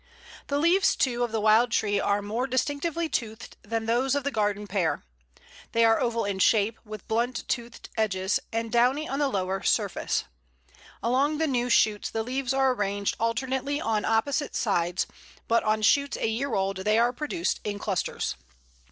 The leaves, too, of the wild tree are more distinctly toothed than those of the Garden Pear. They are oval in shape, with blunt toothed edges, and downy on the lower surface. Along the new shoots the leaves are arranged alternately on opposite sides, but on shoots a year old they are produced in clusters.